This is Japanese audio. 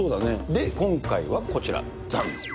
で、今回はこちら、ザン。